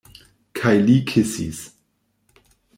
Kaj li kisis.